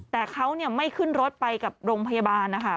แต่เขาไม่ขึ้นรถไปกับโรงพยาบาลนะคะ